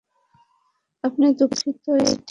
আমি দুঃখিত, স্প্রাইট।